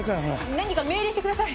何か命令してください。